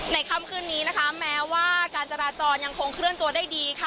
ค่ำคืนนี้นะคะแม้ว่าการจราจรยังคงเคลื่อนตัวได้ดีค่ะ